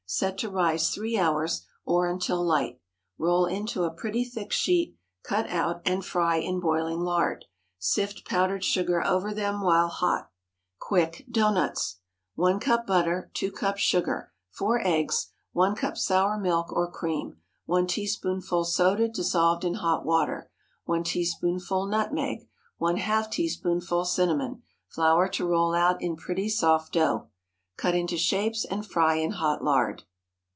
Set to rise three hours, or until light; roll into a pretty thick sheet, cut out, and fry in boiling lard. Sift powdered sugar over them while hot. QUICK DOUGHNUTS. 1 cup butter. 2 cups sugar. 4 eggs. 1 cup sour milk or cream. 1 teaspoonful soda dissolved in hot water. 1 teaspoonful nutmeg. ½ teaspoonful cinnamon. Flour to roll out in pretty soft dough. Cut into shapes and fry in hot lard.